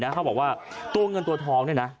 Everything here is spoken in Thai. เขาบอกว่าตัวเงินตัวทองเนี่ยนะ